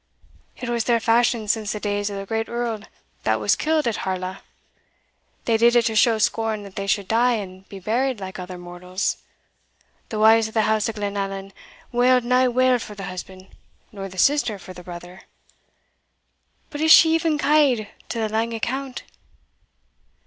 "It was their fashion since the days of the Great Earl that was killed at Harlaw; they did it to show scorn that they should die and be buried like other mortals; the wives o' the house of Glenallan wailed nae wail for the husband, nor the sister for the brother. But is she e'en ca'd to the lang account?"